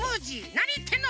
なにいってんの！